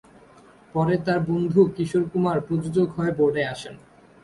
পরে তাঁর বন্ধু কিশোর কুমার প্রযোজক হয়ে বোর্ডে আসেন।